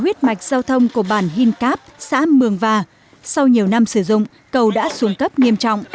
huyết mạch giao thông của bản hiên cáp xã mường và sau nhiều năm sử dụng cầu đã xuống cấp nghiêm trọng